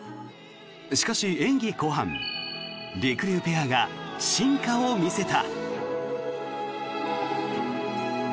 しかし、演技後半りくりゅうペアが進化を見せた。